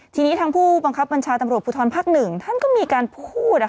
ทีนี้ทางผู้บังคับบัญชาตำรวจภูทรภักดิ์๑ท่านก็มีการพูด